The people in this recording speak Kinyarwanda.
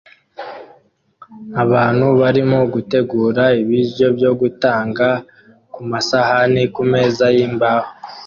Abantu barimo gutegura ibiryo byo gutanga kumasahani kumeza yimbaho